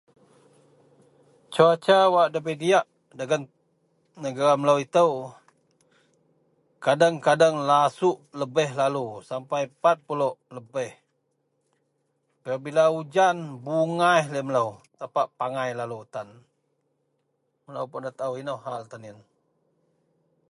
Cuaca wak debei diyak dagen negara melou itou. Kadeng-kadeng lasuk lebeh lalu sapai 40 lebeh. Apabila ujan, bungaih laei melou tapak pangailah tan. Teloupun nda taao inou hal tan yen